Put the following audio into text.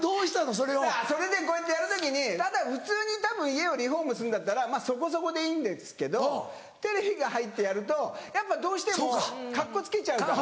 それでこうやってやる時にただ普通に家をリフォームするんだったらそこそこでいいんですけどテレビが入ってやるとやっぱどうしてもカッコつけちゃうから。